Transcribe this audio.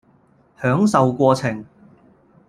享受過程